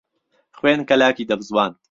خوێن کهلاکی دهبزواند